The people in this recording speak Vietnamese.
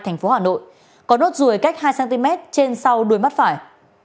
thành phố hà nội có nốt ruồi cách hai cm trên sau đuôi mắt phải